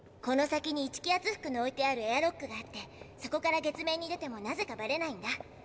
この先に一気圧服の置いてあるエアロックがあってそこから月面に出てもなぜかばれないんだ。